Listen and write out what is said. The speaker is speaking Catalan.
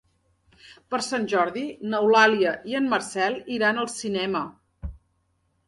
Per Sant Jordi n'Eulàlia i en Marcel iran al cinema.